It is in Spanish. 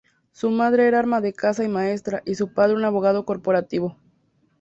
Su madre era ama de casa y maestra, y su padre un abogado corporativo.